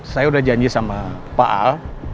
saya udah janji sama pak a